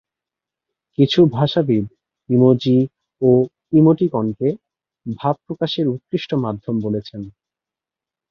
কিছু ভাষাবিদ ইমোজি ও ইমোটিকন-কে ভাব প্রকাশের উৎকৃষ্ট মাধ্যম বলেছেন।